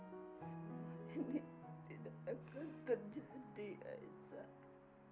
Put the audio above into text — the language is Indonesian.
karena ini tidak akan terjadi aisyah